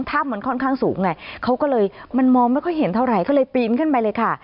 ถ้ำมันค่อนข้างสูงไงเขาก็เลยมันมองไม่ค่อยเห็นเท่าไหร่ก็เลยปีนขึ้นไปเลยค่ะ